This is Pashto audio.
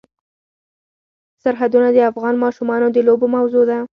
سرحدونه د افغان ماشومانو د لوبو موضوع ده.